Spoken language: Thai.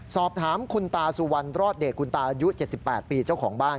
สอบถามคุณตาสุวรรณรอดเดชคุณตาอายุ๗๘ปีเจ้าของบ้าน